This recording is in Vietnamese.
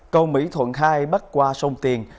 câu mỹ thuận khai bắt qua sông tiền